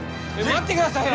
待ってくださいよ！